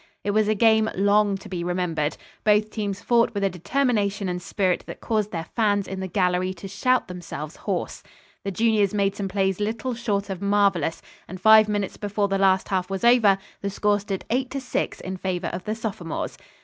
It was a game long to be remembered. Both teams fought with a determination and spirit that caused their fans in the gallery to shout themselves hoarse. The juniors made some plays little short of marvellous, and five minutes before the last half was over the score stood 8 to 6 in favor of the sophomores.